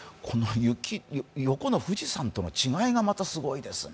横の富士山との違いがすごいですね。